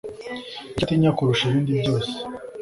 icyo atinya kurusha ibindi byose